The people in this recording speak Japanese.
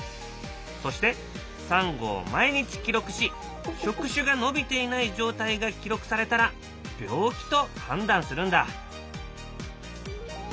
そしてサンゴを毎日記録し触手が伸びていない状態が記録されたら病気と判断するんだ。